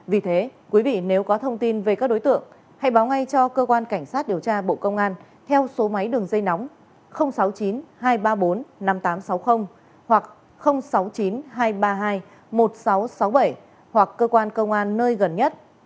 vì thế quý vị nếu có thông tin về các đối tượng hãy báo ngay cho cơ quan cảnh sát điều tra bộ công an theo số máy đường dây nóng sáu mươi chín hai trăm ba mươi bốn năm nghìn tám trăm sáu mươi hoặc sáu mươi chín hai trăm ba mươi hai một nghìn sáu trăm sáu mươi bảy hoặc cơ quan công an nơi gần nhất